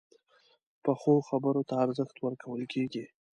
پخو خبرو ته ارزښت ورکول کېږي